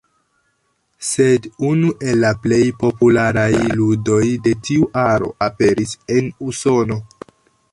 Sed unu el la plej popularaj ludoj de tiu aro aperis en Usono.